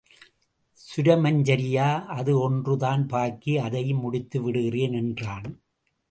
சுரமஞ்சரியா! அது ஒன்று தான் பாக்கி, அதையும் முடித்து விடுகிறேன் என்றான்.